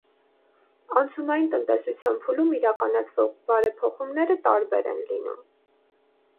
Անցումային տնտեսության փուլում իրականացվող բարեփոխումները տարբեր են լինում։